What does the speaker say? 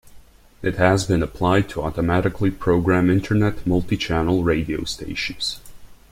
It has been applied to automatically program Internet multi-channel radio stations.